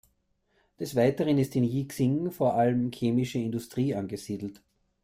Des Weiteren ist in Yixing vor allem chemische Industrie angesiedelt.